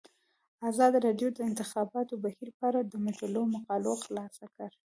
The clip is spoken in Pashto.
ازادي راډیو د د انتخاباتو بهیر په اړه د مجلو مقالو خلاصه کړې.